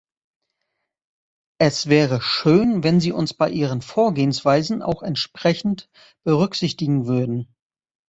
Es wäre schön, wenn Sie uns bei Ihren Vorgehensweisen auch entsprechend berücksichtigen würden.